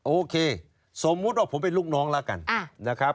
โอเคสมมุติว่าผมเป็นลูกน้องแล้วกันนะครับ